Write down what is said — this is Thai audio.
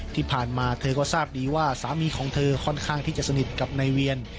ที่ผ่านมาเธอก็ทราบดีว่าสามีของเธอค่อนข้างที่จะสนิทกับนายเวียน